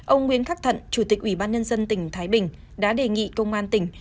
ông nguyễn khắc thận chủ tịch ủy ban nhân dân tỉnh thái bình đã đề nghị công an tỉnh